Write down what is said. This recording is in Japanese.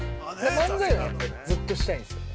◆漫才はずっとしたいんですよね。